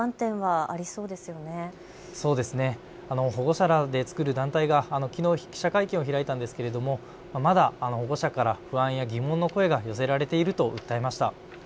保護者らで作る団体がきのう記者会見を開いたんですけれども、まだ保護者から不安や疑問の声が寄せられていると訴えました。